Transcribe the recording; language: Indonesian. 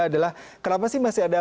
adalah kenapa sih masih ada